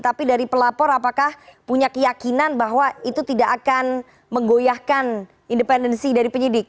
tapi dari pelapor apakah punya keyakinan bahwa itu tidak akan menggoyahkan independensi dari penyidik